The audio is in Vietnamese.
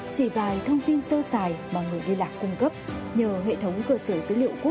chỉ vài thông tin sơ sở